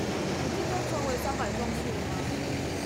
你今天成為三百壯士了嗎？